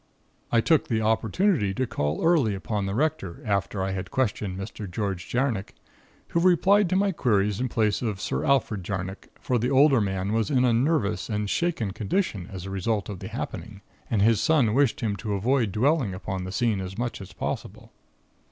"I took the opportunity to call early upon the Rector, after I had questioned Mr. George Jarnock, who replied to my queries in place of Sir Alfred Jarnock, for the older man was in a nervous and shaken condition as a result of the happening, and his son wished him to avoid dwelling upon the scene as much as possible.